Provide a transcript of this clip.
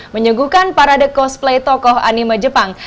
menyuguhkan parade cosplay tokoh anime jepang